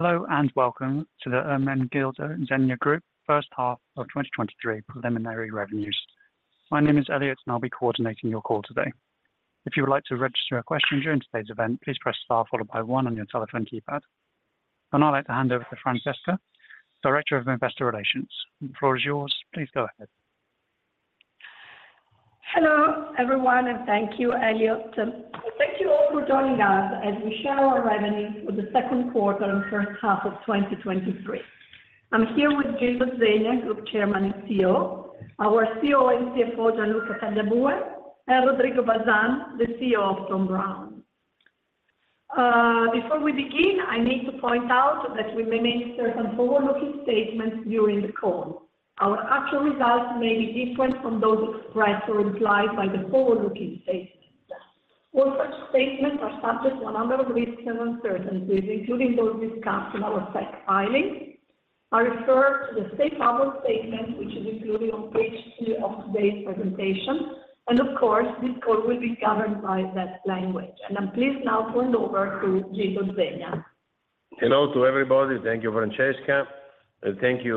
Hello, welcome to the Ermenegildo Zegna Group first half of 2023 preliminary revenues. My name is Elliot, I'll be coordinating your call today. If you would like to register a question during today's event, please press Star followed by one on your telephone keypad. I'd like to hand over to Francesca, Director of Investor Relations. The floor is yours. Please go ahead. Hello, everyone, and thank you, Elliot. Thank you all for joining us as we share our revenues for the second quarter and first half of 2023. I'm here with Gildo Zegna, Group Chairman and CEO, our CEO and CFO, Gianluca Tagliabue, and Rodrigo Bazan, the CEO of Thom Browne. Before we begin, I need to point out that we may make certain forward-looking statements during the call. Our actual results may be different from those expressed or implied by the forward-looking statements. All such statements are subject to a number of risks and uncertainties, including those discussed in our SEC filings. I refer to the safe harbor statement, which is included on page two of today's presentation, and of course, this call will be governed by that language. I'm pleased now to hand over to Gildo Zegna. Hello to everybody. Thank you, Francesca, and thank you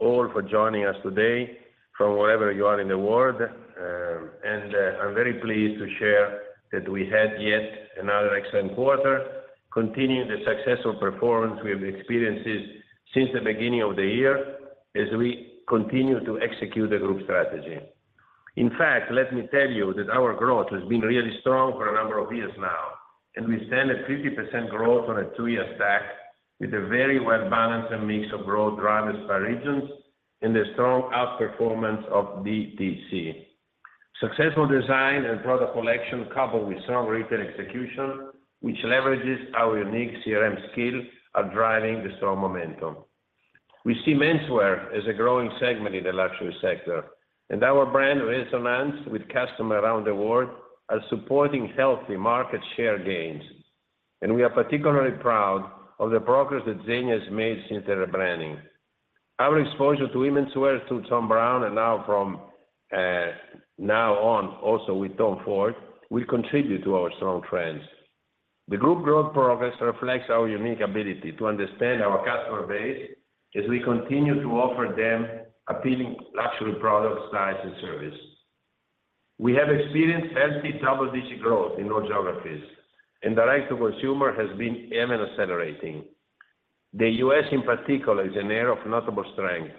all for joining us today from wherever you are in the world. I'm very pleased to share that we had yet another excellent quarter, continuing the successful performance we have experienced since the beginning of the year as we continue to execute the group strategy. In fact, let me tell you that our growth has been really strong for a number of years now, and we stand at 50% growth on a two-year stack with a very well-balanced mix of growth drivers by regions and the strong outperformance of DTC. Successful design and product collection, coupled with strong retail execution, which leverages our unique CRM skills, are driving the strong momentum. We see menswear as a growing segment in the luxury sector. Our brand resonates with customers around the world are supporting healthy market share gains. We are particularly proud of the progress that Zegna has made since the rebranding. Our exposure to womenswear, through Thom Browne, and now from, now on, also with Tom Ford, will contribute to our strong trends. The group growth progress reflects our unique ability to understand our customer base as we continue to offer them appealing luxury products, styles, and service. We have experienced healthy double-digit growth in all geographies, and direct-to-consumer has been even accelerating. The U.S., in particular, is an area of notable strength,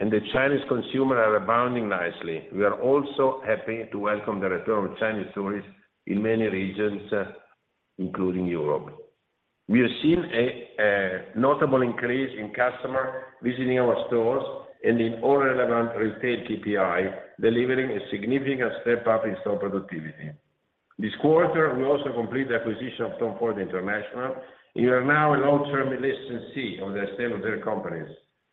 and the Chinese consumer are rebounding nicely. We are also happy to welcome the return of Chinese tourists in many regions, including Europe. We have seen a notable increase in customer visiting our stores and in all relevant retail KPI, delivering a significant step up in store productivity. This quarter, we also complete the acquisition of Tom Ford International. We are now a long-term licensee of The Estée Lauder Companies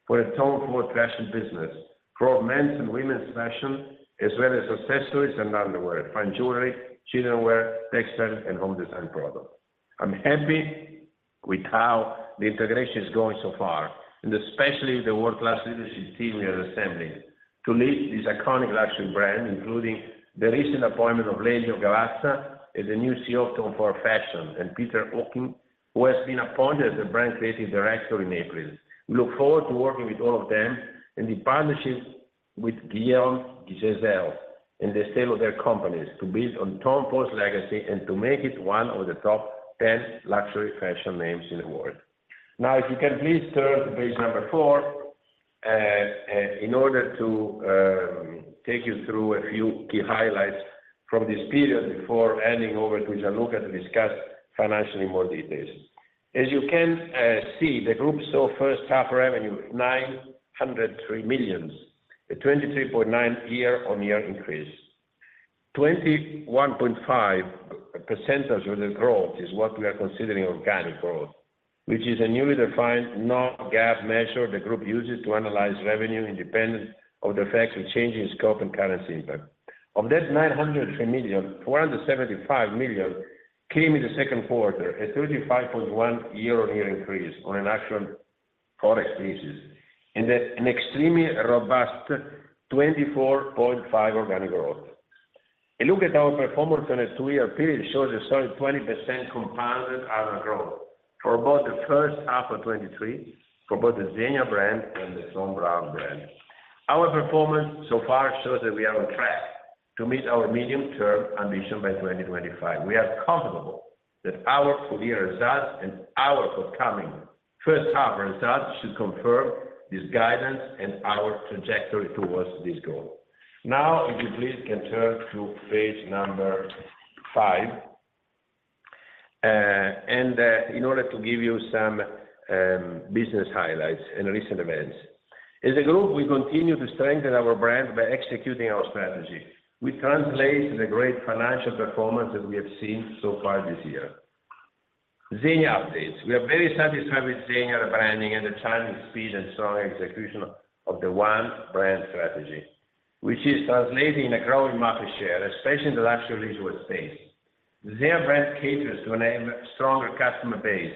for the Tom Ford Fashion business, for both men's and women's fashion, as well as accessories and underwear, fine jewelry, childrenwear, textiles, and home design products. I'm happy with how the integration is going so far, and especially the world-class leadership team we are assembling to lead this iconic luxury brand, including the recent appointment of Lelio Gavazza as the new CEO of Tom Ford Fashion, and Peter Copping, who has been appointed as the Brand Creative Director in April. We look forward to working with all of them and the partnerships with Guillaume Jesel and The Estée Lauder Companies to build on Tom Ford's legacy and to make it one of the top 10 luxury fashion names in the world. If you can please turn to page four, in order to take you through a few key highlights from this period before handing over to Gianluca to discuss financially in more details. As you can see, the group saw first half revenue, 903 million, a 23.9% year-on-year increase. 21.5% of the growth is what we are considering organic growth, which is a newly defined non-GAAP measure the group uses to analyze revenue independent of the effects of changing scope and currency impact. Of that 903 million, 475 million came in the second quarter, a 35.1% year-on-year increase on an actual product basis, and an extremely robust 24.5% organic growth. A look at our performance on a two-year period shows a solid 20% compounded average growth for about the first half of 2023, for both the Zegna brand and the Thom Browne brand. Our performance so far shows that we are on track to meet our medium-term ambition by 2025. We are comfortable that our full year results and our forthcoming first half results should confirm this guidance and our trajectory towards this goal. If you please, can turn to page five, in order to give you some business highlights and recent events. As a group, we continue to strengthen our brand by executing our strategy, which translates the great financial performance that we have seen so far this year. Zegna updates. We are very satisfied with Zegna rebranding and the timely speed and strong execution of the One Brand strategy, which is translating a growing market share, especially in the luxury leisure space. Zegna brand caters to an even stronger customer base,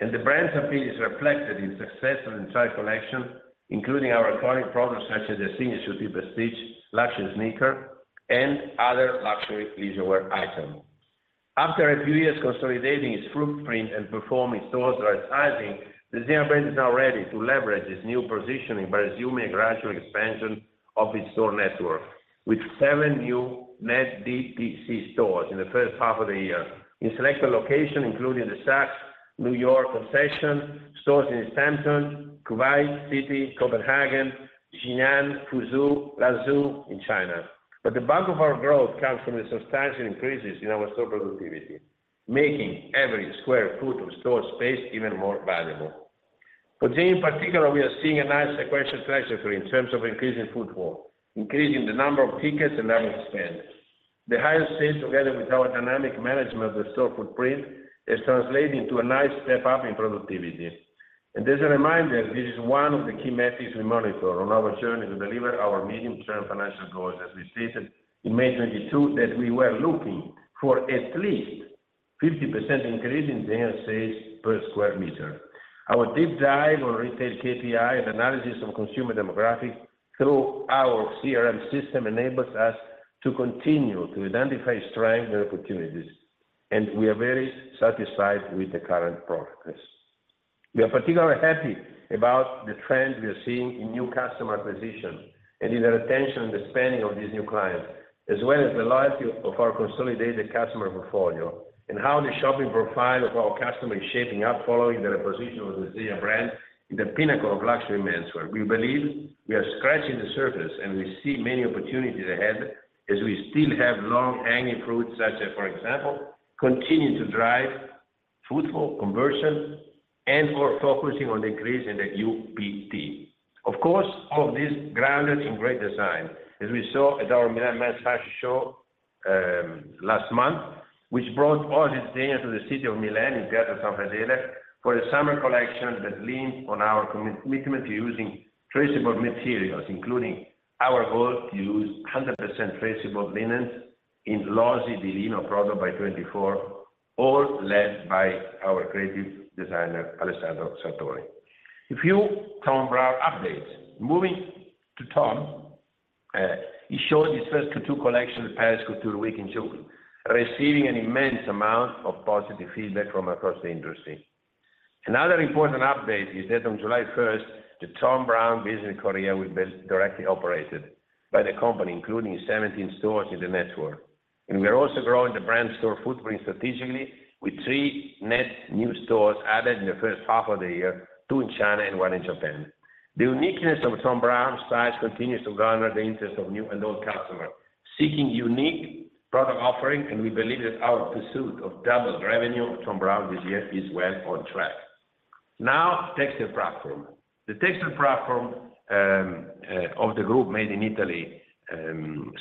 and the brand's appeal is reflected in successful entire collection, including our iconic products such as the Zegna Suit Prestige, luxury sneaker, and other luxury leisurewear item. After a few years consolidating its footprint and performing store right-sizing, the Zegna brand is now ready to leverage this new positioning by resuming a gradual expansion of its store network, with seven new net DTC stores in the first half of the year. In select locations, including the Saks New York concession, stores in Southampton, Kuwait City, Copenhagen, Jinan, Fuzhou, Lanzhou in China. The bulk of our growth comes from the substantial increases in our store productivity, making every square foot of store space even more valuable. For Zegna in particular, we are seeing a nice sequential trajectory in terms of increasing footfall, increasing the number of tickets, and average spend. The higher sales, together with our dynamic management of the store footprint, is translating to a nice step up in productivity. As a reminder, this is one of the key metrics we monitor on our journey to deliver our medium-term financial goals, as we stated in May 2022, that we were looking for at least 50% increase in Zegna sales per square meter. Our deep dive on retail KPI and analysis of consumer demographics through our CRM system enables us to continue to identify strengths and opportunities, and we are very satisfied with the current progress. We are particularly happy about the trends we are seeing in new customer acquisition and in the retention and the spending of these new clients, as well as the loyalty of our consolidated customer portfolio, and how the shopping profile of our customers is shaping up following the repositioning of the Zegna brand in the pinnacle of luxury menswear. We believe we are scratching the surface. We see many opportunities ahead as we still have long hanging fruits, such as, for example, continuing to drive footfall conversion and/or focusing on the increase in the UPT. Of course, all of this grounded in great design, as we saw at our Milan Men's Fashion Show last month, which brought all Zegna to the city of Milan in Piazza San Fedele, for a summer collection that leaned on our commitment to using traceable materials, including our goal to use 100% traceable linens in L'Oro del Lino product by 2024, all led by our creative designer, Alessandro Sartori. A few Thom Browne updates. Moving to Thom, he showed his first couture collection at Paris Couture Week in July, receiving an immense amount of positive feedback from across the industry. Another important update is that on July 1st, the Thom Browne business in Korea will be directly operated by the company, including 17 stores in the network. We are also growing the brand store footprint strategically with three net new stores added in the first half of the year, two in China and one in Japan. The uniqueness of Thom Browne style continues to garner the interest of new and old customers seeking unique product offerings, and we believe that our pursuit of doubled revenue of Thom Browne this year is well on track. Textile platform. The textile platform of the group Made in Italy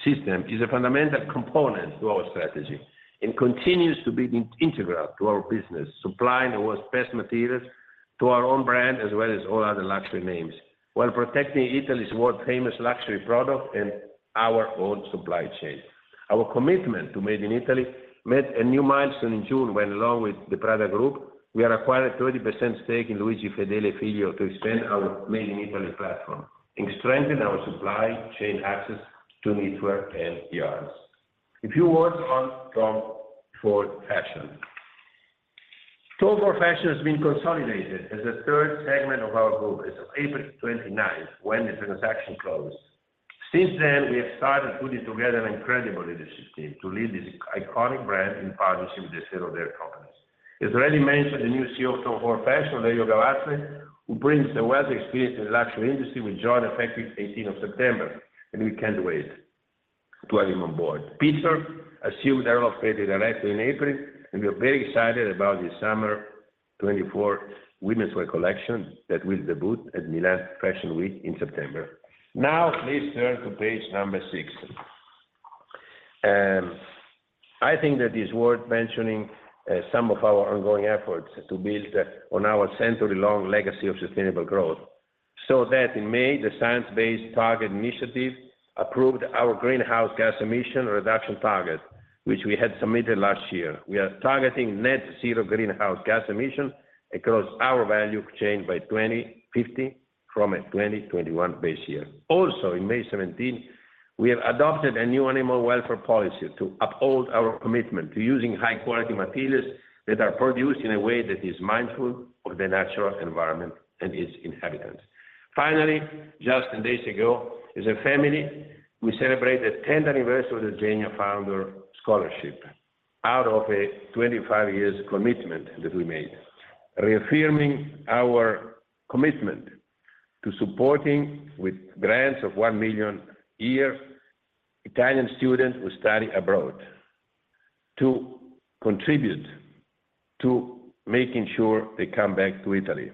system is a fundamental component to our strategy and continues to be integral to our business, supplying the world's best materials to our own brand, as well as all other luxury names, while protecting Italy's world-famous luxury products and our own supply chain. Our commitment to Made in Italy met a new milestone in June, when, along with the Prada Group, we acquired a 30% stake in Luigi Fedeli e Figlio to expand our Made in Italy platform and strengthen our supply chain access to knitwear and yarns. A few words on Tom Ford Fashion. Tom Ford Fashion has been consolidated as a third segment of our group as of April 29th, when the transaction closed. Since then, we have started putting together an incredible leadership team to lead this iconic brand in partnership with The Estée Lauder Companies. As already mentioned, the new CEO of Tom Ford Fashion, Lelio Gavazza, who brings a wealth of experience in the luxury industry, will join effective 18th of September, and we can't wait to have him on board. Peter assumed creative director in April, and we are very excited about the summer 2024 womenswear collection that will debut at Milan Fashion Week in September. Please turn to page number six. I think that it's worth mentioning some of our ongoing efforts to build on our century-long legacy of sustainable growth, so that in May, the Science Based Targets initiative approved our greenhouse gas emission reduction target, which we had submitted last year. We are targeting net zero greenhouse gas emissions across our value chain by 2050, from a 2021 base year. In May 17th, we have adopted a new animal welfare policy to uphold our commitment to using high-quality materials that are produced in a way that is mindful of the natural environment and its inhabitants. Finally, just days ago, as a family, we celebrated the 10th anniversary of the Zegna Founder Scholarship, out of a 25 years commitment that we made, reaffirming our commitment to supporting, with grants of 1 million a year, Italian students who study abroad, to contribute to making sure they come back to Italy.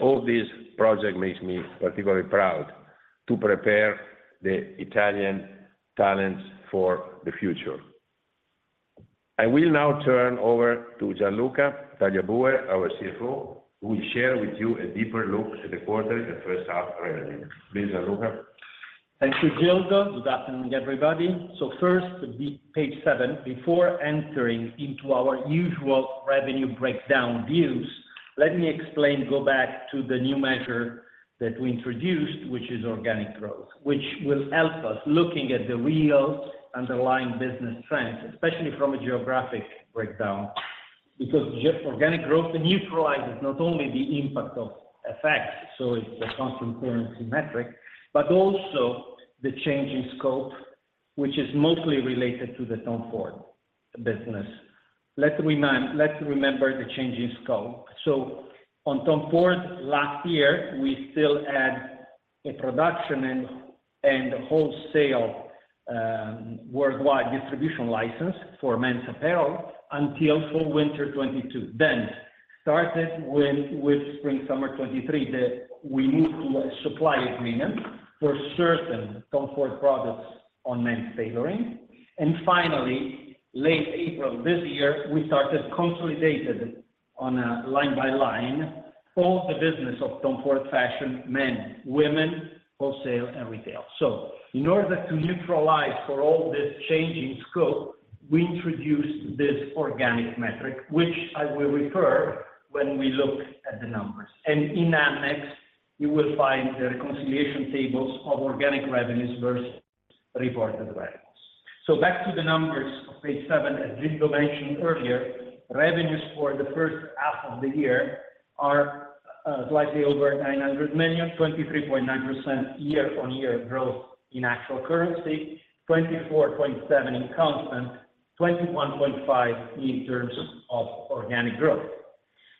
All this project makes me particularly proud to prepare the Italian talents for the future. I will now turn over to Gianluca Tagliabue, our CFO, who will share with you a deeper look at the quarter and the first half revenue. Please, Gianluca. Thank you, Gildo. Good afternoon, everybody. First, page seven, before entering into our usual revenue breakdown views. Let me explain, go back to the new measure that we introduced, which is organic growth, which will help us looking at the real underlying business trends, especially from a geographic breakdown, because just organic growth neutralizes not only the impact of effects, so it's a constant currency metric, but also the change in scope, which is mostly related to the Tom Ford business. Let's remember the change in scope. On Tom Ford, last year, we still had a production and wholesale worldwide distribution license for men's apparel until fall/winter 2022. Started with spring/summer 2023, we moved to a supply agreement for certain Tom Ford products on men's tailoring. Finally, late April this year, we started consolidated on a line-by-line, all the business of Tom Ford Fashion, men, women, wholesale, and retail. In order to neutralize for all this change in scope, we introduced this organic metric, which I will refer when we look at the numbers. In annex, you will find the reconciliation tables of organic revenues versus reported revenues. Back to the numbers of page seven, as Gildo Zegna mentioned earlier, revenues for the first half of the year are slightly over 900 million, 23.9% year-on-year growth in actual currency, 24.7% in constant, 21.5% in terms of organic growth.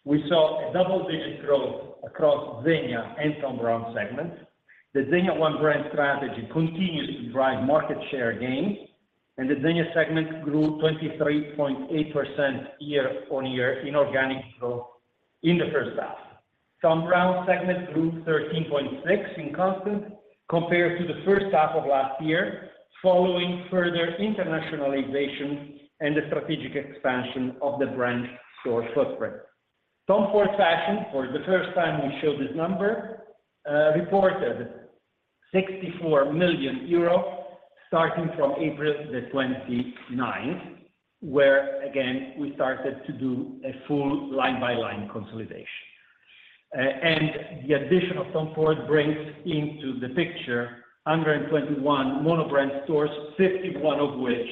We saw a double-digit growth across Zegna and Thom Browne segments. The Zegna One Brand strategy continues to drive market share gains, and the Zegna segment grew 23.8% year-on-year in organic growth in the first half. Thom Browne segment grew 13.6% in constant compared to the first half of last year, following further internationalization and the strategic expansion of the brand store footprint. Tom Ford Fashion, for the first time we show this number, reported 64 million euro, starting from April 29th, where again, we started to do a full line-by-line consolidation. The addition of Tom Ford brings into the picture, 121 monobrand stores, 51 of which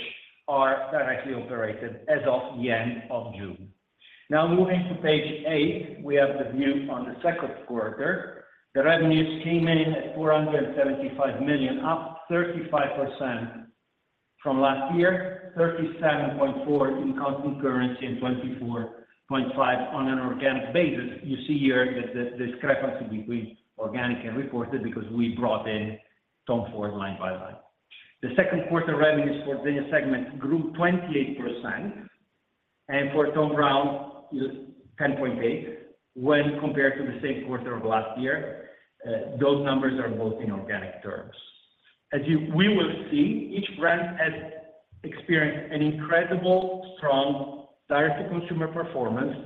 are directly operated as of the end of June. Moving to page eight, we have the view on the second quarter. The revenues came in at 475 million, up 35% from last year, 37.4% in constant currency and 24.5% on an organic basis. You see here the discrepancy between organic and reported because we brought in Tom Ford line by line. The second quarter revenues for Zegna segment grew 28%, and for Thom Browne, it was 10.8%, when compared to the same quarter of last year. Those numbers are both in organic terms. As we will see, each brand has experienced an incredible strong direct-to-consumer performance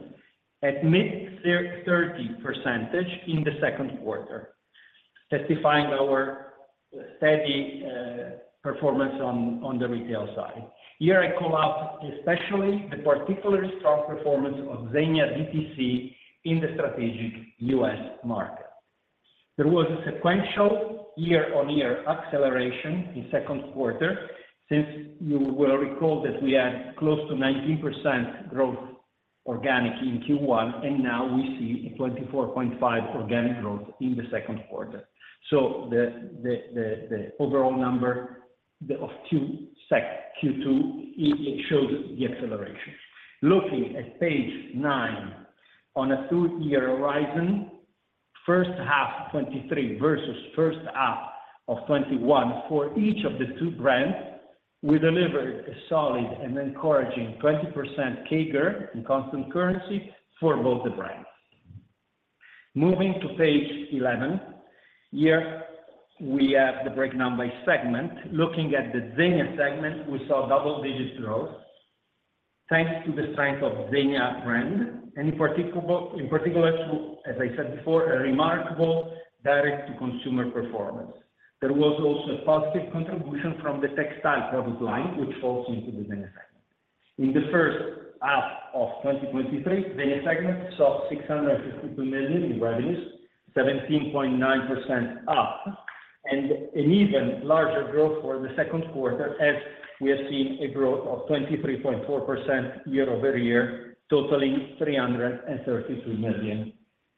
at mid 30% in the second quarter, testifying our steady performance on the retail side. Here I call out, especially the particularly strong performance of Zegna DTC in the strategic U.S. market. There was a sequential year-on-year acceleration in second quarter, since you will recall that we had close to 19% growth organic in Q1, and now we see a 24.5% organic growth in the second quarter. The overall number of Q2 it shows the acceleration. Looking at page nine, on a two-year horizon, first half 2023 versus first half of 2021, for each of the two brands, we delivered a solid and encouraging 20% CAGR in constant currency for both the brands. Moving to page 11, here we have the breakdown by segment. Looking at the Zegna segment, we saw double-digit growth, thanks to the strength of Zegna brand, and in particular, to, as I said before, a remarkable direct-to-consumer performance. There was also a positive contribution from the textile product line, which falls into the Zegna segment. In the first half of 2023, Zegna segment saw 652 million in revenues, 17.9% up, and an even larger growth for the second quarter, as we have seen a growth of 23.4% year-over-year, totaling 333 million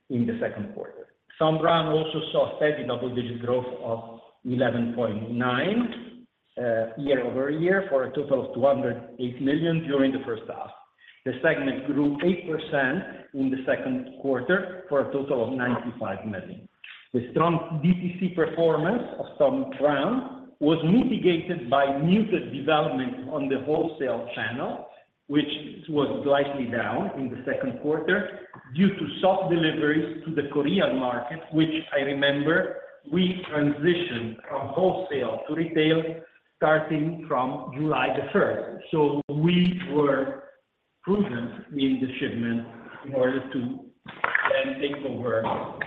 in the second quarter. Thom Browne also saw steady double-digit growth of 11.9% year-over-year, for a total of 208 million during the first half. The segment grew 8% in the second quarter, for a total of 95 million. The strong DTC performance of Thom Browne was mitigated by muted development on the wholesale channel, which was slightly down in the second quarter, due to soft deliveries to the Korean market, which I remember we transitioned from wholesale to retail, starting from July 1st. We were prudent in the shipment in order to then take over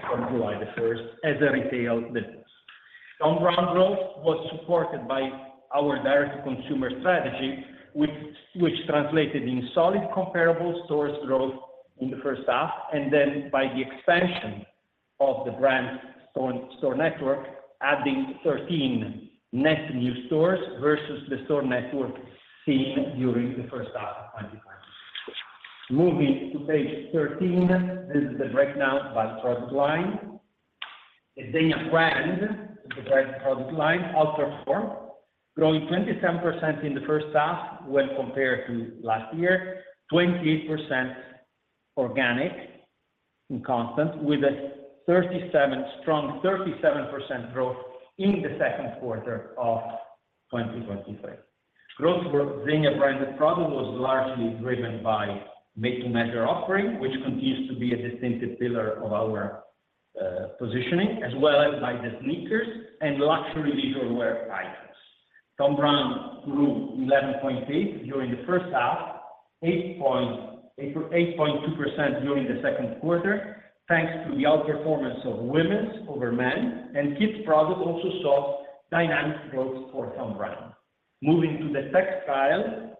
from July 1st as a retail business. Thom Browne growth was supported by our direct consumer strategy, which translated in solid comparable store growth in the first half, and then by the expansion of the brand store network, adding 13 net new stores versus the store network seen during the first half of 2023. Moving to page 13, this is the breakdown by product line. Zegna brand, the brand product line, outperformed, growing 27% in the first half when compared to last year, 28% organic in constant, with a 37%, strong 37% growth in the second quarter of 2023. Growth for Zegna branded product was largely driven by made-to-measure offering, which continues to be a distinctive pillar of our positioning, as well as by the sneakers and luxury leisure wear items. Thom Browne grew 11.8% during the first half, 8.2% during the second quarter, thanks to the outperformance of women's over men, and kids product also saw dynamic growth for Thom Browne. Moving to the textile,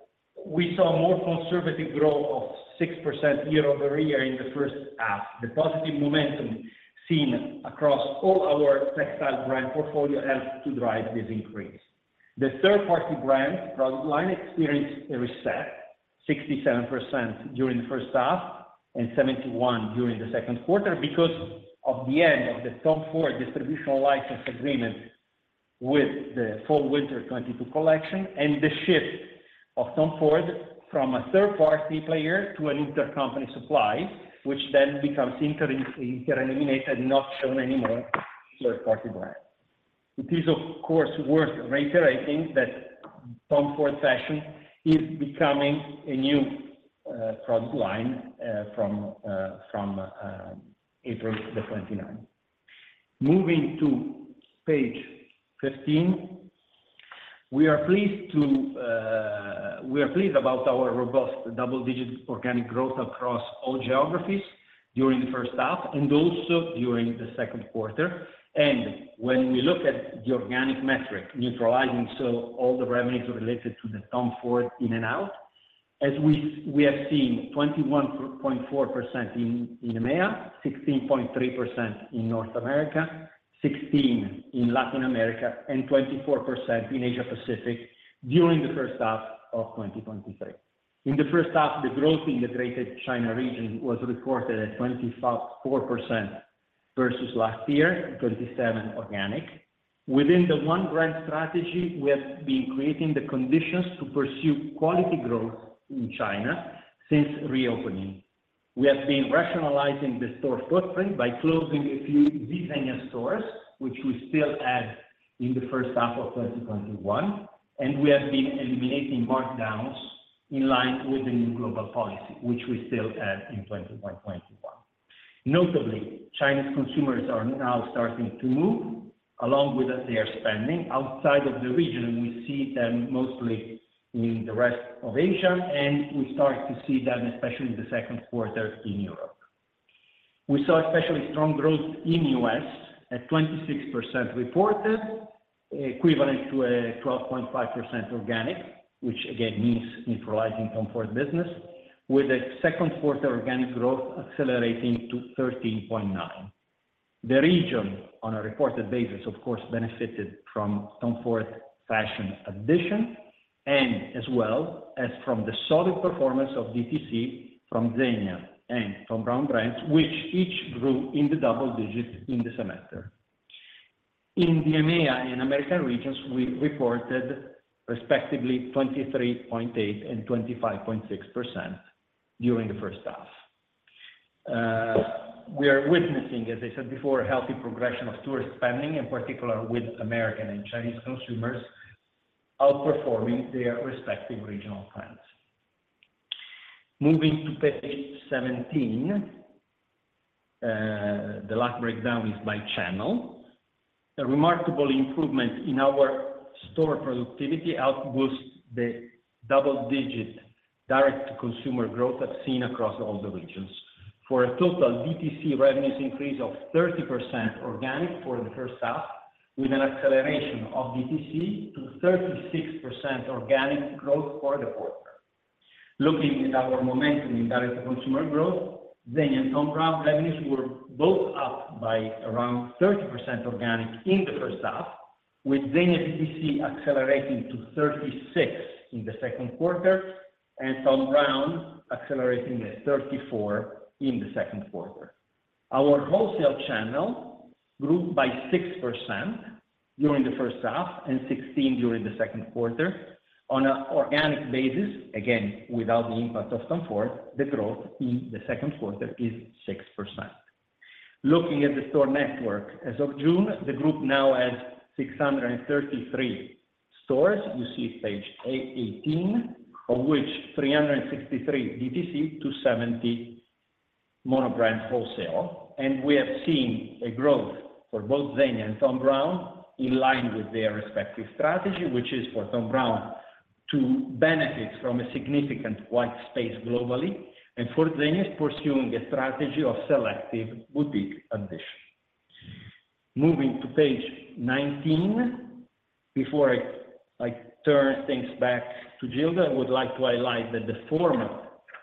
we saw more conservative growth of 6% year-over-year in the first half. The positive momentum seen across all our textile brand portfolio helped to drive this increase. The third-party brand product line experienced a reset, 67% during the first half and 71% during the second quarter, because of the end of the Tom Ford distributional license agreement with the fall/winter 2022 collection, and the shift of Tom Ford from a third-party player to an intercompany supply, which then becomes inter-eliminated, not shown anymore, third-party brand. It is, of course, worth reiterating that Tom Ford Fashion is becoming a new product line from April the 29th. Moving to page 15, we are pleased about our robust double-digit organic growth across all geographies during the first half and also during the second quarter. When we look at the organic metric, neutralizing, so all the revenues related to the Tom Ford in and out, as we have seen 21.4% in EMEA, 16.3% in North America, 16% in Latin America, and 24% in Asia Pacific during the first half of 2023. In the first half, the growth in the Greater China region was recorded at 24% versus last year, 27% organic. Within the One Brand strategy, we have been creating the conditions to pursue quality growth in China since reopening. We have been rationalizing the store footprint by closing a few Zegna stores, which we still had in the first half of 2021, and we have been eliminating markdowns in line with the new global policy, which we still had in 2021. Notably, China's consumers are now starting to move, along with that they are spending outside of the region, we see them mostly in the rest of Asia. We start to see them, especially in the second quarter in Europe. We saw especially strong growth in U.S. at 26% reported, equivalent to a 12.5% organic, which again means neutralizing Tom Ford business, with a second quarter organic growth accelerating to 13.9%. The region, on a reported basis, of course, benefited from Tom Ford Fashion addition. As well as from the solid performance of DTC from Zegna and from Thom Browne brands, which each grew in the double digits in the semester. In the EMEA and American regions, we reported respectively 23.8% and 25.6% during the first half. We are witnessing, as I said before, a healthy progression of tourist spending, in particular with American and Chinese consumers outperforming their respective regional plans. Moving to page 17, the last breakdown is by channel. A remarkable improvement in our store productivity helped boost the double-digit direct-to-consumer growth I've seen across all the regions, for a total DTC revenues increase of 30% organic for the first half, with an acceleration of DTC to 36% organic growth for the quarter. Looking at our momentum in direct-to-consumer growth, Zegna and Thom Browne revenues were both up by around 30% organic in the first half, with Zegna DTC accelerating to 36% in the second quarter, and Thom Browne accelerating at 34% in the second quarter. Our wholesale channel grew by 6% during the first half and 16% during the second quarter. On a organic basis, again, without the impact of Tom Ford, the growth in the second quarter is 6%. Looking at the store network, as of June, the group now has 633 stores, you see page a-18, of which 363 DTC to 70 monobrand wholesale. We have seen a growth for both Zegna and Thom Browne in line with their respective strategy, which is for Thom Browne to benefit from a significant white space globally, and fourthly, is pursuing a strategy of selective boutique ambition. Moving to page 19, before I turn things back to Gildo, I would like to highlight that the format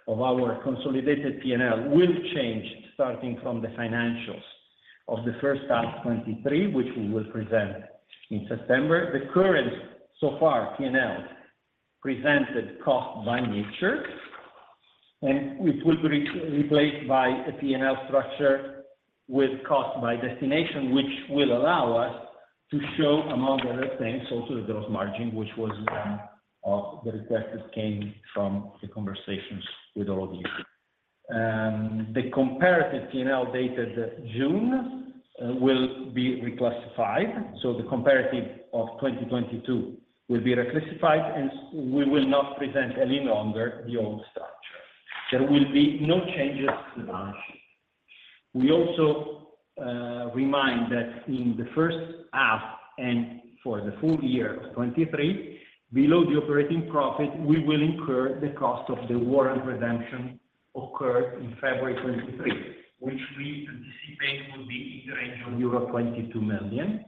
of our consolidated P&L will change, starting from the financials of the first half 2023, which we will present in September. The current, so far, P&L presented cost by nature, which will be re-replaced by a P&L structure with cost by destination, which will allow us to show, among other things, also the growth margin, which was one of the requests that came from the conversations with all of you. The comparative P&L dated June will be reclassified, the comparative of 2022 will be reclassified, we will not present any longer the old structure. There will be no changes to the balance sheet. We also remind that in the first half and for the full year of 2023, below the operating profit, we will incur the cost of the warrant redemption occurred in February 2023, which we anticipate will be in the range of euro 22 million,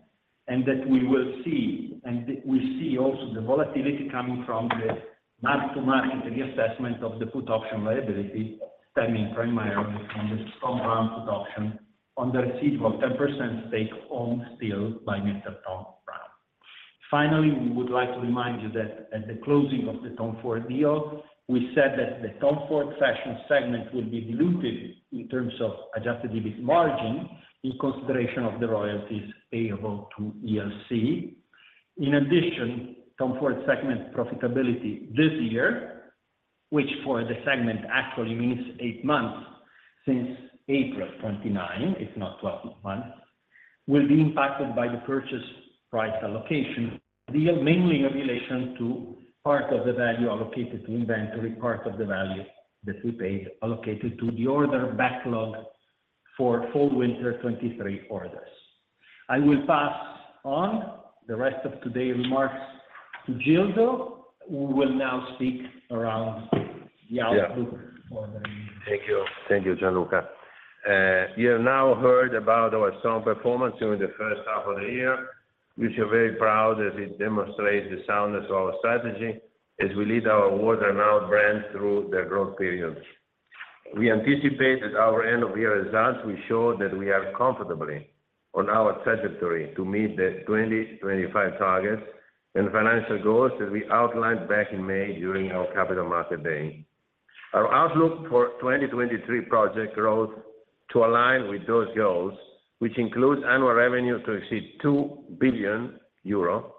that we will see. We see also the volatility coming from the mark-to-market reassessment of the put option liability stemming primarily from the Thom Browne put option on the receipt of 10% stake owned still by Mr. Thom Browne. Finally, we would like to remind you that at the closing of the Tom Ford deal, we said that the Tom Ford Fashion segment will be diluted in terms of adjusted EBIT margin in consideration of the royalties payable to ELC. In addition, Tom Ford segment profitability this year, which for the segment actually means eight months since April 29, if not 12 months, will be impacted by the purchase price allocation deal mainly in relation to part of the value allocated to inventory, part of the value that we paid, allocated to the order backlog for fall/winter 2023 orders. I will pass on the rest of today remarks to Gildo, who will now speak around the outlook. Yeah. For the meeting. Thank you. Thank you, Gianluca. You have now heard about our sound performance during the first half of the year, which we're very proud, as it demonstrates the soundness of our strategy as we lead our award and our brand through their growth periods. We anticipate that our end-of-year results will show that we are comfortably on our trajectory to meet the 2025 targets and financial goals that we outlined back in May during our Capital Markets Day. Our outlook for 2023 project growth to align with those goals, which includes annual revenue to exceed 2 billion euro,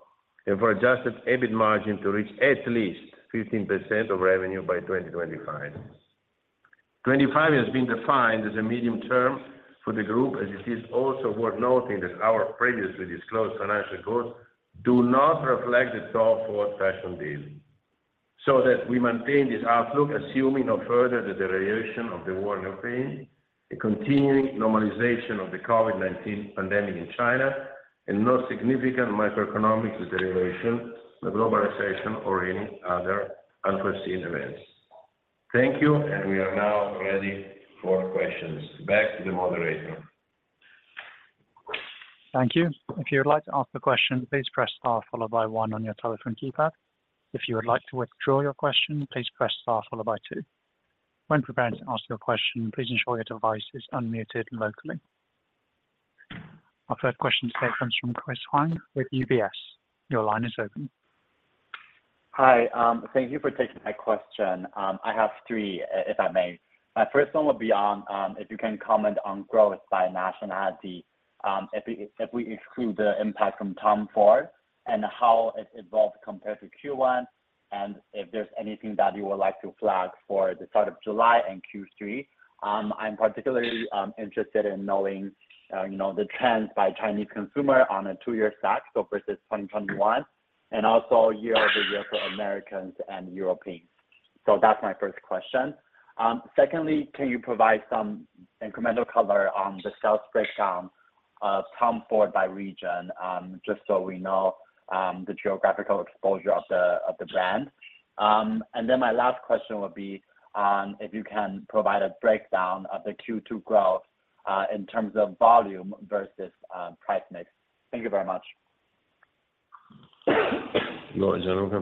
and for adjusted EBIT margin to reach at least 15% of revenue by 2025. 2025 has been defined as a medium term for the group, as it is also worth noting that our previously disclosed financial goals do not reflect the Tom Ford Fashion deal. That we maintain this outlook, assuming no further deterioration of the war in Ukraine, a continuing normalization of the COVID-19 pandemic in China, no significant microeconomic deterioration, the globalization or any other unforeseen events. Thank you. We are now ready for questions. Back to the moderator. Thank you. If you would like to ask a question, please press star followed by one on your telephone keypad. If you would like to withdraw your question, please press star followed by two. When prepared to ask your question, please ensure your device is unmuted locally. Our first question today comes from Chris Huang with UBS. Your line is open. Hi, thank you for taking my question. I have three, if I may. My first one would be on if you can comment on growth by nationality, if we exclude the impact from Tom Ford and how it evolved compared to Q1, and if there's anything that you would like to flag for the start of July and Q3. I'm particularly interested in knowing, you know, the trends by Chinese consumer on a two-year stack, so versus 2021, and also year-over-year for Americans and Europeans. That's my first question. Secondly, can you provide some incremental color on the sales breakdown of Tom Ford by region, just so we know the geographical exposure of the brand? My last question would be on if you can provide a breakdown of the Q2 growth in terms of volume versus price mix. Thank you very much. Go, Gianluca.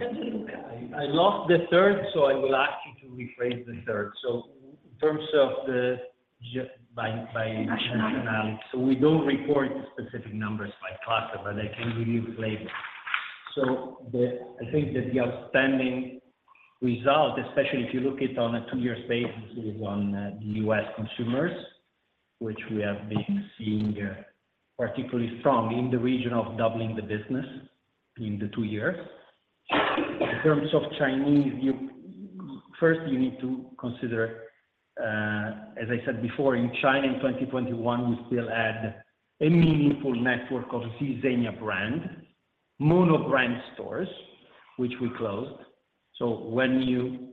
I lost the third, so I will ask you to rephrase the third. In terms of the by nationality, so we don't report the specific numbers by class, but I can give you later. The, I think that the outstanding result, especially if you look it on a two-year basis, is on the U.S. consumers, which we have been seeing are particularly strong in the region of doubling the business in the two years. In terms of Chinese, you, first, you need to consider, as I said before, in China, in 2021, we still had a meaningful network of Zegna brand, mono brand stores, which we closed. When you,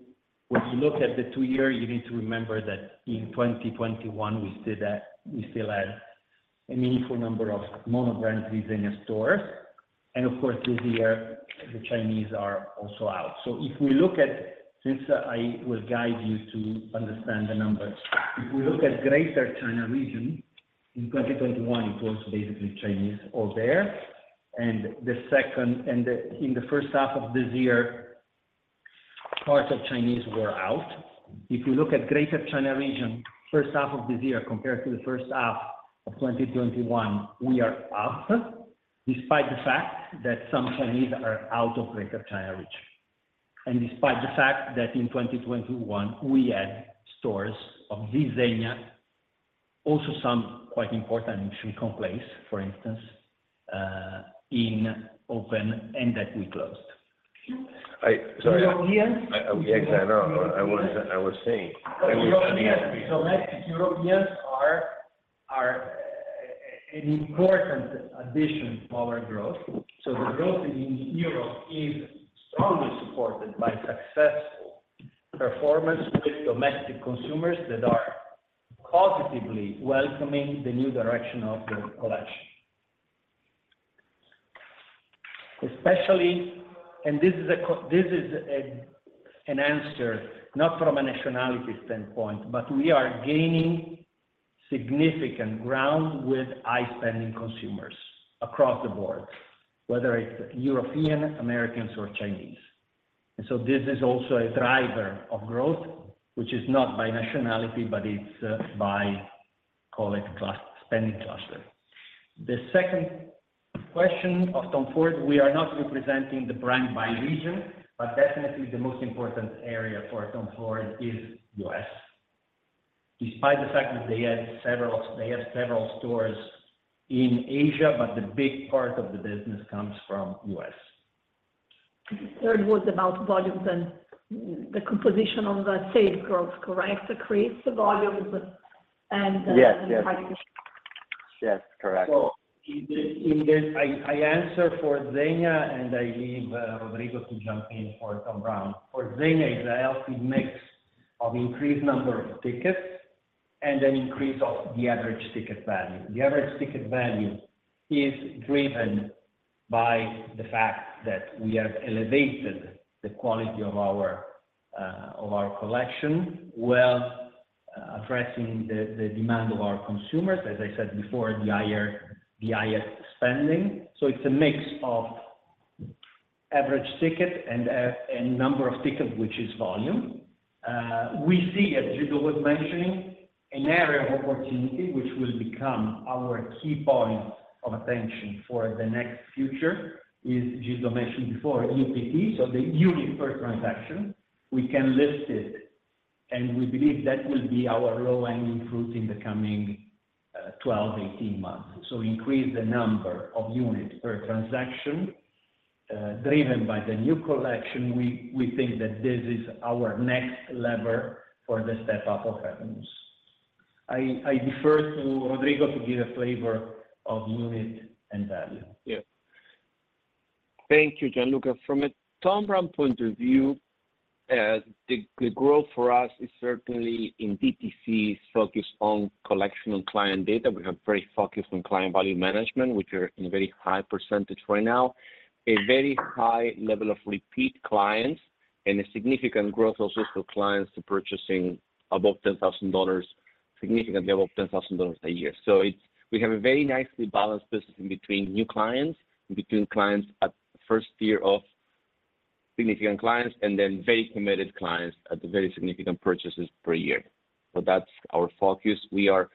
when you look at the two years, you need to remember that in 2021, we still had a meaningful number of monobrand Zegna stores, and of course, this year, the Chinese are also out. If we look at, since I will guide you to understand the numbers, if we look at Greater China region, in 2021, it was basically Chinese all there. In the first half of this year, parts of Chinese were out. If you look at Greater China region, first half of this year, compared to the first half of 2021, we are up, despite the fact that some Chinese are out of Greater China region. Despite the fact that in 2021, we had stores of Zegna, also some quite important in Shanghai place, for instance, in open and that we closed. Sorry. Europeans? Yes, I know. I was saying. Europeans are an important addition to our growth. The growth in Europe is strongly supported by successful performance with domestic consumers that are positively welcoming the new direction of the collection. Especially, this is a, an answer, not from a nationality standpoint, but we are gaining significant ground with high-spending consumers across the board, whether it's European, Americans, or Chinese. This is also a driver of growth, which is not by nationality, but it's by call it class, spending cluster. The second question of Tom Ford, we are not representing the brand by region, but definitely the most important area for Tom Ford is U.S. Despite the fact that they have several stores in Asia, but the big part of the business comes from U.S. The third was about volumes and the composition of the sales growth, correct? Increase the volumes and. Yes, yes. Yes, correct. In this, I answer for Zegna, and I leave Rodrigo to jump in for Thom Browne. For Zegna, it's a healthy mix of increased number of tickets and an increase of the average ticket value. The average ticket value is driven by the fact that we have elevated the quality of our collection while addressing the demand of our consumers, as I said before, the highest spending. It's a mix of average ticket and number of tickets, which is volume. We see, as Gildo was mentioning, an area of opportunity, which will become our key point of attention for the next future, is Gildo mentioned before, UPT, so the unit per transaction. We can list it, and we believe that will be our low-hanging fruit in the coming 12, 18 months. Increase the number of units per transaction, driven by the new collection, we think that this is our next lever for the step up of revenues. I defer to Rodrigo to give a flavor of unit and value. Thank you, Gianluca. From a Thom Browne point of view, the growth for us is certainly in DTC, focused on collection on client data. We are very focused on client value management, which are in a very high percentage right now, a very high level of repeat clients, and a significant growth also for clients to purchasing above $10,000, significantly above $10,000 a year. We have a very nicely balanced business in between new clients, between clients at the first year of significant clients, and then very committed clients at the very significant purchases per year. That's our focus. We are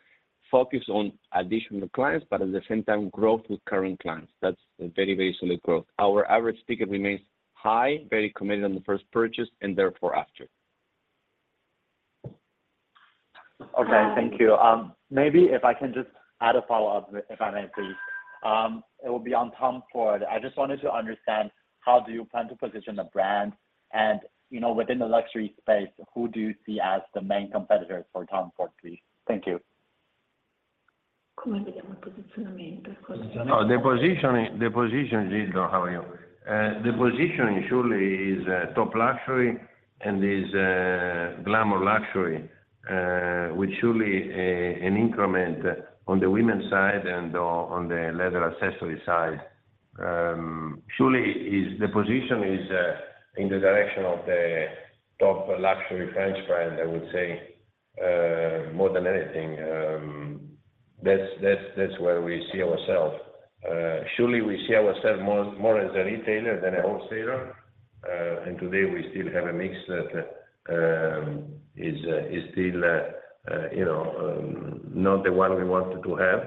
focused on additional clients, but at the same time, growth with current clients. That's a very, very solid growth. Our average ticket remains high, very committed on the first purchase and therefore after. Okay, thank you. Maybe if I can just add a follow-up, if I may, please. It will be on Tom Ford. I just wanted to understand, how do you plan to position the brand? You know, within the luxury space, who do you see as the main competitors for Tom Ford please? Thank you. Come vediamo il posizionamento? The positioning, Gildo, how are you? The positioning surely is top luxury and is glamour luxury with surely an increment on the women's side and on the leather accessory side. Surely, the position is in the direction of the top luxury French brand, I would say, more than anything, that's where we see ourselves. Surely, we see ourselves more as a retailer than a wholesaler, and today, we still have a mix that is still, you know, not the one we wanted to have.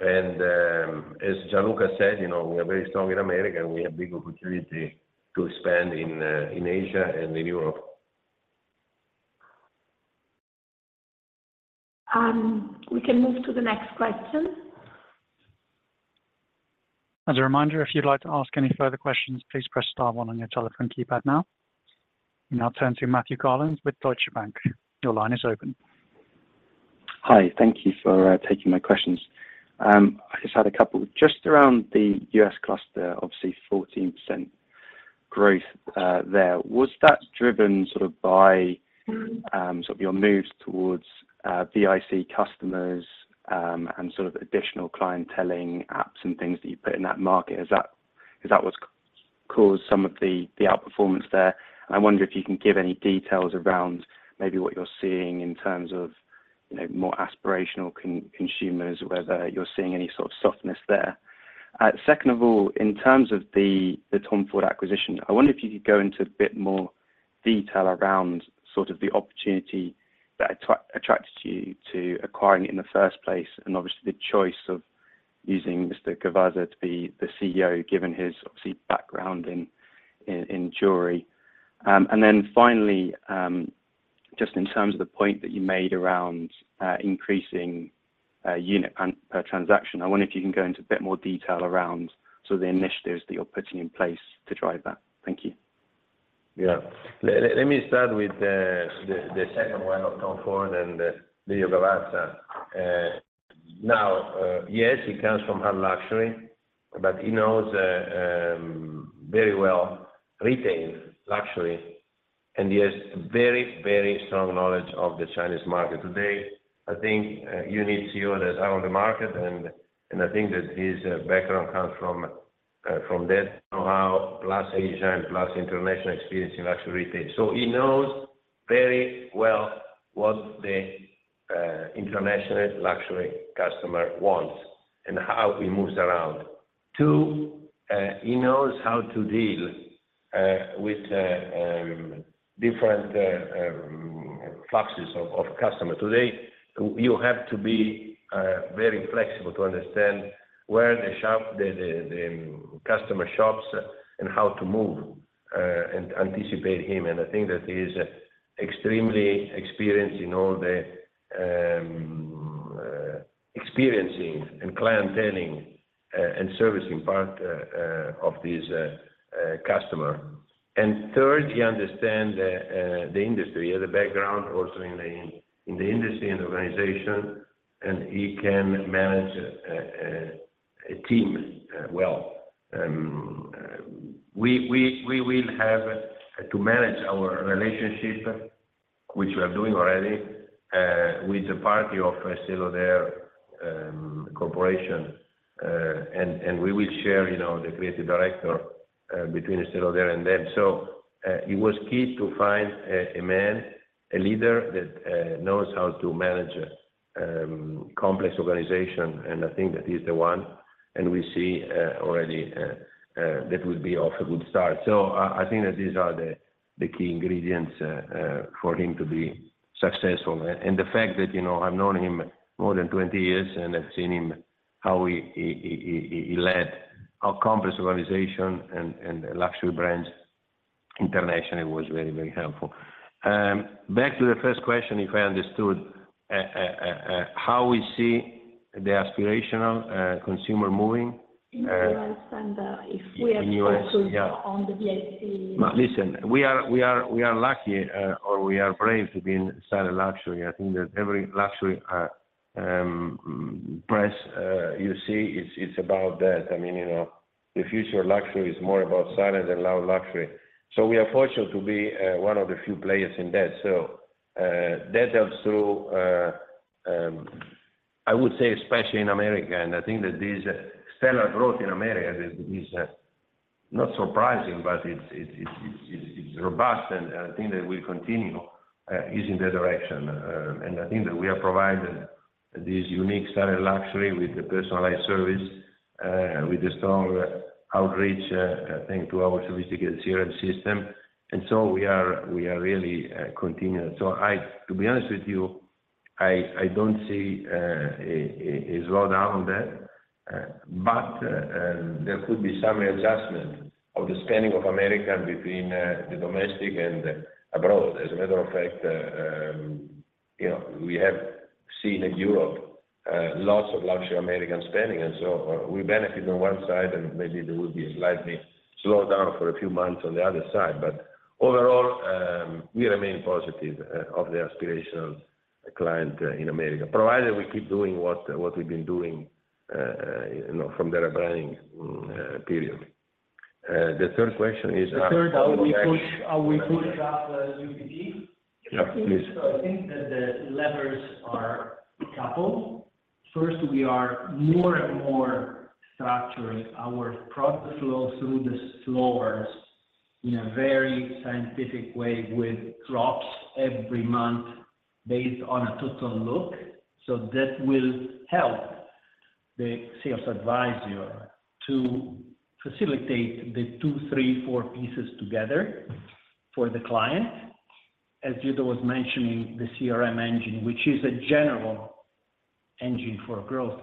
As Gianluca said, you know, we are very strong in America, and we have big opportunity to expand in Asia and in Europe. We can move to the next question. As a reminder, if you'd like to ask any further questions, please press star one on your telephone keypad now. We now turn to Matthew Garland with Deutsche Bank. Your line is open. Hi, thank you for taking my questions. I just had a couple. Just around the US cluster, obviously 14% growth there, was that driven sort of by sort of your moves towards VIC customers, and sort of additional clienteling apps and things that you put in that market? Is that what's caused some of the outperformance there? I wonder if you can give any details around maybe what you're seeing in terms of, you know, more aspirational consumers, whether you're seeing any sort of softness there. Second of all, in terms of the Tom Ford acquisition, I wonder if you could go into a bit more detail around sort of the opportunity that attracted you to acquiring it in the first place, and obviously the choice of using Mr. Gavazza to be the CEO, given his obviously, background in jewelry. Finally, just in terms of the point that you made around increasing unit per transaction, I wonder if you can go into a bit more detail around sort of the initiatives that you're putting in place to drive that. Thank you. Let me start with the second one of Tom Ford and Lelio Gavazza. Now, yes, he comes from hard luxury, but he knows very well retail luxury, and he has very strong knowledge of the Chinese market. Today, I think, you need CEO that are on the market, and I think that his background comes from that know-how, plus Asian, plus international experience in luxury retail. He knows very well what the international luxury customer wants and how he moves around. Two, he knows how to deal with different classes of customer. Today, you have to be very flexible to understand where the customer shops and how to move and anticipate him. I think that he is extremely experienced in all the experiencing and clienteling and servicing part of this customer. Third, he understands the industry. He has a background also in the industry and organization, and he can manage a team well. We will have to manage our relationship, which we are doing already, with the party of Estée Lauder corporation. We will share, you know, the creative director between Saint Laurent and them. It was key to find a man, a leader that knows how to manage a complex organization, and I think that he's the one, and we see already that would be off a good start. I think that these are the key ingredients for him to be successful. The fact that, you know, I've known him more than 20 years, and I've seen him, how he led a complex organization and a luxury brand internationally, was very, very helpful. Back to the first question, if I understood how we see the aspirational consumer moving. In the U.S. and if we are on the VIC. In U.S., yeah. Listen, we are lucky, or we are brave to be in silent luxury. I think that every luxury price, you see, it's about that. I mean, you know, the future of luxury is more about silent and loud luxury. We are fortunate to be one of the few players in that. That helps to. I would say especially in America, and I think that this stellar growth in America is not surprising, but it's robust, and I think that will continue, is in that direction. I think that we are providing this unique silent luxury with the personalized service, with the strong outreach, I think, to our sophisticated CRM system. We are really continuing. I, to be honest with you, I don't see a slow down on that. There could be some adjustment of the spending of America between the domestic and abroad. As a matter of fact, you know, we have seen in Europe, lots of luxury American spending, we benefit on one side, and maybe there will be a slightly slow down for a few months on the other side. Overall, we remain positive of the aspirational client in America, provided we keep doing what we've been doing, you know, from the rebranding period. The third question is? The third, how we push up UPT? Yeah, please. I think that the levers are a couple. First, we are more and more structuring our product flow through the stores in a very scientific way, with drops every month based on a total look. That will help the sales advisor to facilitate the two, three, four pieces together for the client. As Guido was mentioning, the CRM engine, which is a general engine for growth,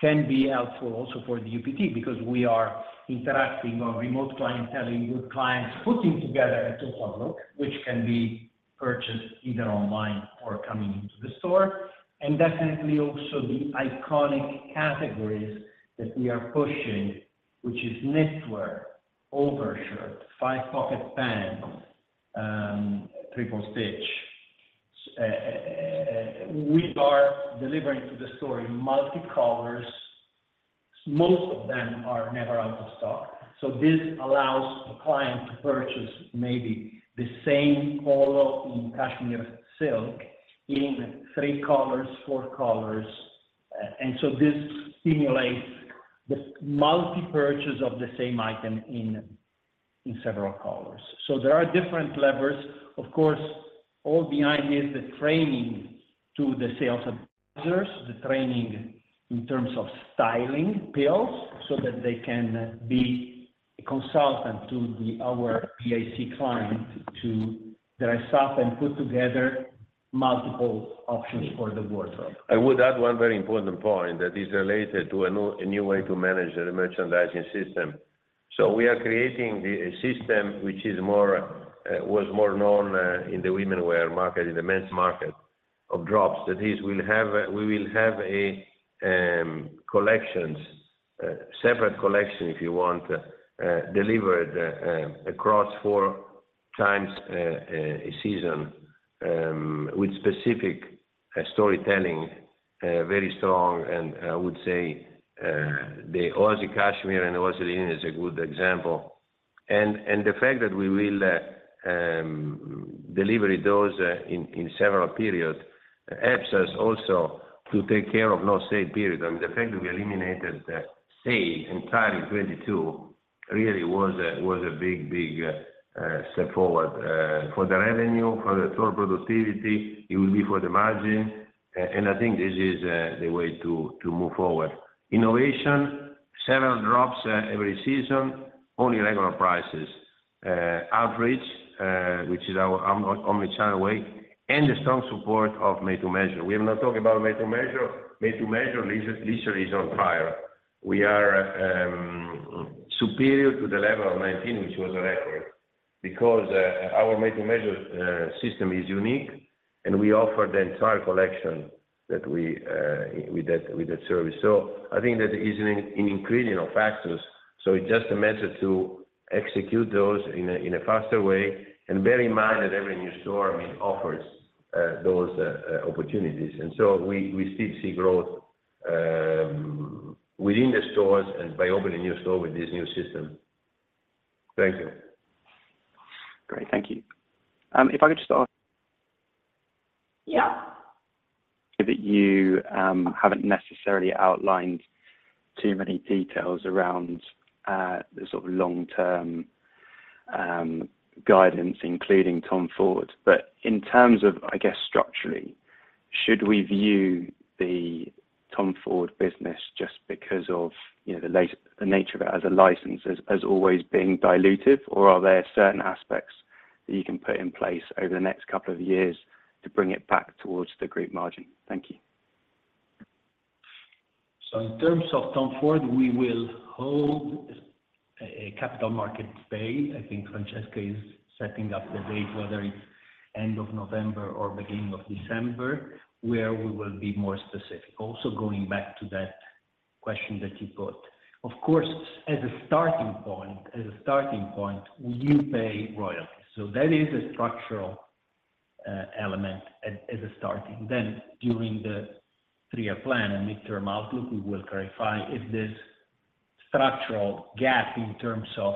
can be helpful also for the UPT because we are interacting on remote clienteling with clients, putting together a total look, which can be purchased either online or coming into the store. Definitely also the iconic categories that we are pushing, which is knitwear, overshirt, five-pocket pants, Triple Stitch, we are delivering to the store in multi colors. Most of them are never out of stock, this allows the client to purchase maybe the same color in cashmere silk in three colors, four colors. This stimulates the multi purchase of the same item in several colors. There are different levers. Of course, all behind is the training to the sales advisors, the training in terms of styling pills, so that they can be a consultant to our PAC client, to dress up and put together multiple options for the wardrobe. I would add one very important point that is related to a new, a new way to manage the merchandising system. We are creating a system which is more known in the womenswear market, in the men's market, of drops. That is, we will have collections, separate collection, if you want, delivered across four times a season, with specific storytelling, very strong. I would say, the Oasi Cashmere and the Oasi Lino is a good example. The fact that we will deliver those in several periods, helps us also to take care of no sale period. I mean, the fact that we eliminated the sale entirely in 2022 really was a big step forward for the revenue, for the total productivity, it will be for the margin, and I think this is the way to move forward. Innovation, several drops, every season, only regular prices, outreach, which is our omnichannel way, and the strong support of made to measure. We have not talked about made to measure. Made to measure literally is on fire. We are superior to the level of 2019, which was a record, because our made to measure system is unique, and we offer the entire collection that we with that service. I think that is an increasing factors, so it’s just a matter to execute those in a, in a faster way, and bear in mind that every new store, I mean, offers those opportunities. We still see growth within the stores and by opening new store with this new system. Thank you. Great. Thank you. If I could just. Yeah. That you haven't necessarily outlined too many details around the sort of long-term guidance, including Tom Ford. In terms of, I guess, structurally, should we view the Tom Ford business just because of, you know, the nature of it as a license, as always being dilutive? Are there certain aspects that you can put in place over the next couple of years to bring it back towards the group margin? Thank you. In terms of Tom Ford, we will hold a Capital Markets Day. I think Francesca is setting up the date, whether it's end of November or beginning of December, where we will be more specific. Going back to that question that you put, of course, as a starting point, we pay royalties, so that is a structural element as a starting. During the three-year plan and midterm outlook, we will clarify if this structural gap in terms of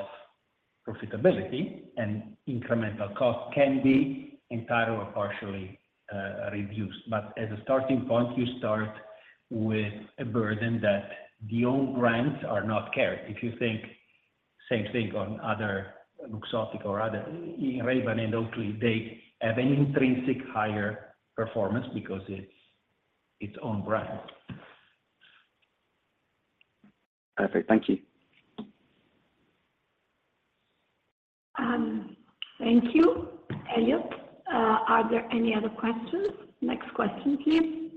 profitability and incremental cost can be entirely or partially reduced. As a starting point, you start with a burden that the own brands are not carried. You think same thing on other Luxottica or other Ray-Ban and Oakley, they have an intrinsic higher performance because it's its own brand. Perfect. Thank you. Thank you, Elliot. Are there any other questions? Next question, please.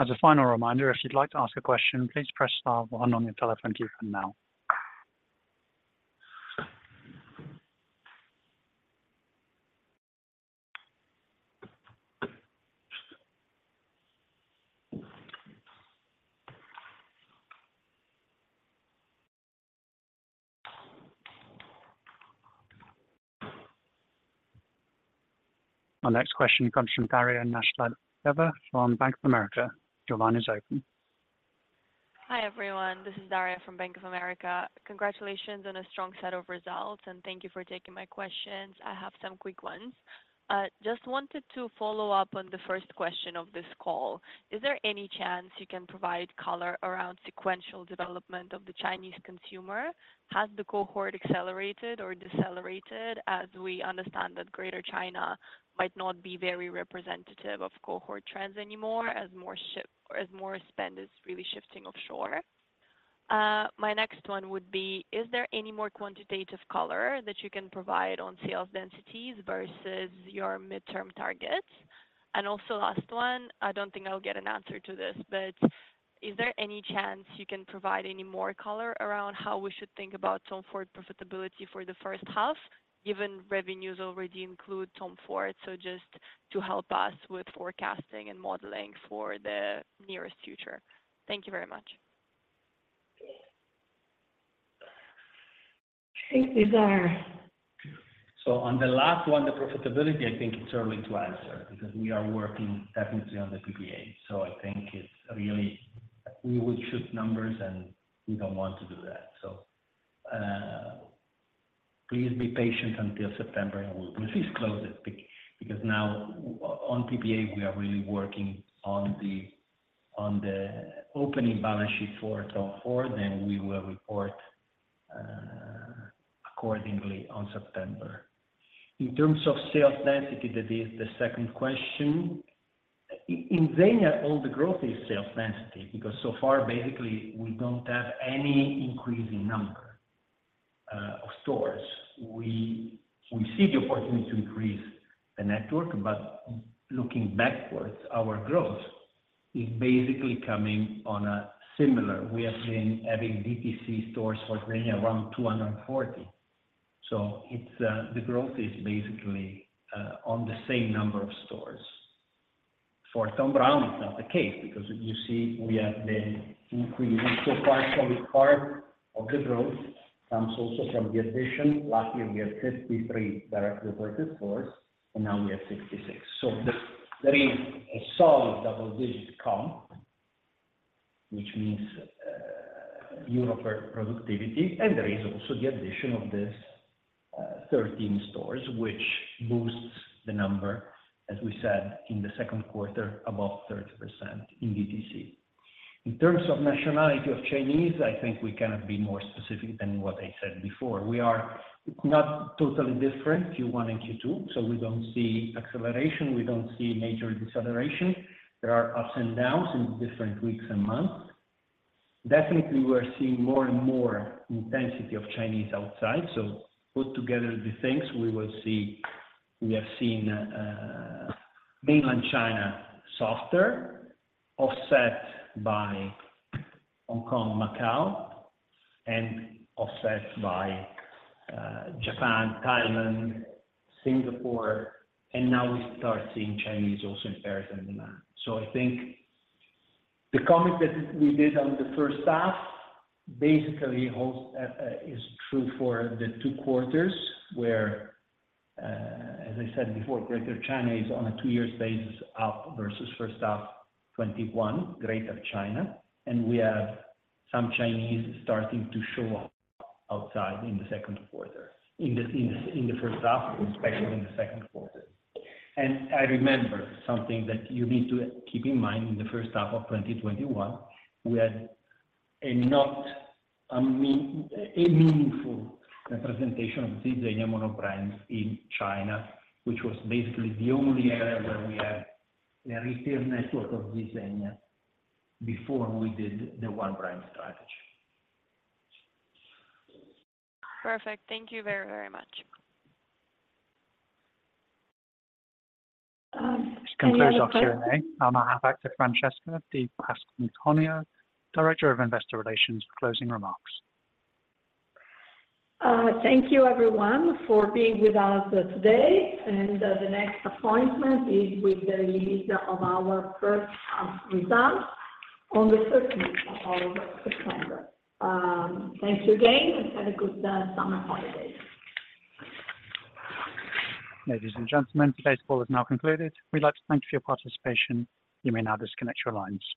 As a final reminder, if you'd like to ask a question, please press star one on your telephone keypad now. Our next question comes from Daria Naslaeva from Bank of America. Your line is open. Hi, everyone. This is Daria from Bank of America. Congratulations on a strong set of results, thank you for taking my questions. I have some quick ones. Just wanted to follow up on the first question of this call. Is there any chance you can provide color around sequential development of the Chinese consumer? Has the cohort accelerated or decelerated, as we understand that Greater China might not be very representative of cohort trends anymore, as more spend is really shifting offshore? My next one would be, is there any more quantitative color that you can provide on sales densities versus your midterm targets? Last one, I don't think I'll get an answer to this, is there any chance you can provide any more color around how we should think about Tom Ford profitability for the first half, given revenues already include Tom Ford? Just to help us with forecasting and modeling for the nearest future. Thank you very much. I think these are. On the last one, the profitability, I think it's early to answer because we are working technically on the PPA. I think it's really, we would shoot numbers, and we don't want to do that. Please be patient until September, and we'll please close it, because now on PPA, we are really working on the, on the opening balance sheet for Tom Ford, and we will report accordingly on September. In terms of sales density, that is the second question. In Zegna, all the growth is sales density, because so far, basically, we don't have any increase in number of stores. We see the opportunity to increase the network, but looking backwards, our growth is basically coming on a similar. We have been having DTC stores for Zegna around 240. It's the growth is basically on the same number of stores. For Thom Browne, it's not the case because if you see, we have been increasing so far, part of the growth comes also from the addition. Last year, we had 53 directly reported stores, and now we have 66. There is a solid double-digit comp, which means unit per productivity, and there is also the addition of these 13 stores, which boosts the number, as we said, in the second quarter, above 30% in DTC. In terms of nationality of Chinese, I think we cannot be more specific than what I said before. We are not totally different, Q1 and Q2, we don't see acceleration, we don't see major deceleration. There are ups and downs in different weeks and months. Definitely, we are seeing more and more intensity of Chinese outside. Put together the things, we have seen mainland China softer, offset by Hong Kong, Macau, and offset by Japan, Thailand, Singapore. Now we start seeing Chinese also in Paris and Milan. I think the comment that we did on the first half basically holds, is true for the two quarters, where, as I said before, Greater China is on a two-year basis up versus first half 2021, Greater China. We have some Chinese starting to show up outside in the second quarter, in the first half, especially in the second quarter. I remember something that you need to keep in mind in the first half of 2021, we had a meaningful representation of the Zegna monobrand in China, which was basically the only area where we had a retail network of Zegna before we did the One Brand strategy. Perfect. Thank you very, very much. This concludes our Q&A. I'll now hand back to Francesca Di Pasquantonio, Director of Investor Relations, for closing remarks. Thank you, everyone, for being with us today. The next appointment is with the release of our first half results on the 13th of September. Thanks again, have a good summer holiday. Ladies and gentlemen, today's call is now concluded. We'd like to thank you for your participation. You may now disconnect your lines.